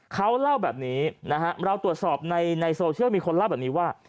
เขาเล่าแบบนี้นะฮะเราตรวจสอบในโซเชียลมีคนเล่าแบบนี้ว่า